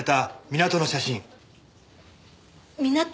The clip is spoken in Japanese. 港の写真？